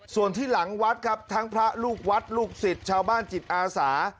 ส่วนที่หลังวัดครับทั้งพระลูกวัดลูกศิษย์ชาวบ้านจิตอาสา